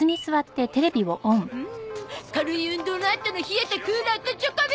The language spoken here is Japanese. うん軽い運動のあとの冷えたクーラーとチョコビ！